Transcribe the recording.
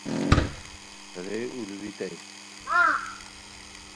رے الوئیتائے